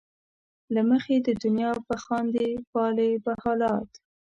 له مخې د دنیا به خاندې ،پالې به حالات